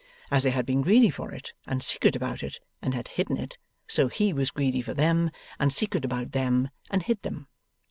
As they had been greedy for it, and secret about it, and had hidden it, so he was greedy for them, and secret about them, and hid them.